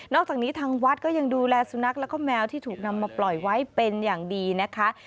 อกจากนี้ทางวัดก็ยังดูแลสุนัขแล้วก็แมวที่ถูกนำมาปล่อยไว้เป็นอย่างดีนะคะ